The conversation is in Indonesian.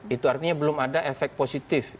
itu artinya belum ada efek positif